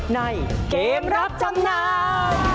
ในเกมรับจำนำ